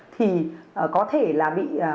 thì có thể là bị